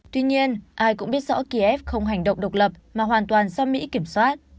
tuy nhiên ai cũng biết rõ kiev không hành động độc lập mà hoàn toàn do mỹ kiểm soát